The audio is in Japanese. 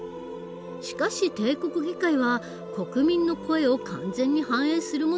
しかし帝国議会は国民の声を完全に反映するものではなかった。